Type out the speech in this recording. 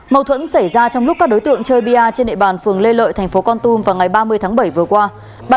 mâu thuẫn xảy ra trong lúc các đối tượng chơi bia trên địa bàn phường lê lợi thành phố con tum vào ngày ba mươi tháng bảy vừa qua